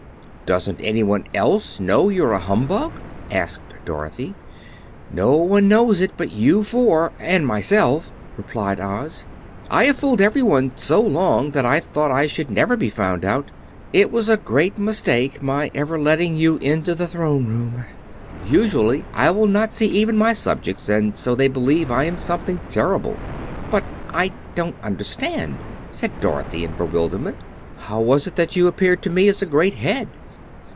"Doesn't anyone else know you're a humbug?" asked Dorothy. "No one knows it but you four—and myself," replied Oz. "I have fooled everyone so long that I thought I should never be found out. It was a great mistake my ever letting you into the Throne Room. Usually I will not see even my subjects, and so they believe I am something terrible." "But, I don't understand," said Dorothy, in bewilderment. "How was it that you appeared to me as a great Head?"